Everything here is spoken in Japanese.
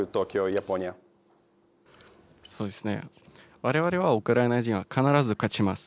われわれはウクライナ人は必ず勝ちます。